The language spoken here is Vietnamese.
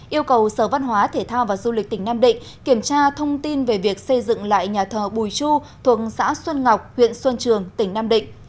yêu cầu sở văn hóa thể thao và du lịch tỉnh nam định kiểm tra thông tin về việc xây dựng lại nhà thờ bùi chu thuộc xã xuân ngọc huyện xuân trường tỉnh nam định